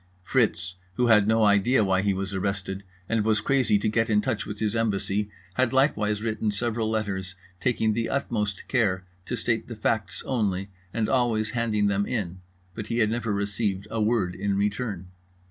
Fritz, who had no idea why he was arrested and was crazy to get in touch with his embassy, had likewise written several letters, taking the utmost care to state the facts only and always handing them in; but he had never received a word in return.